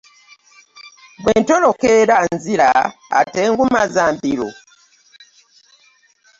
Bwe ntoloka era nzira, ate ngumaza mbiro?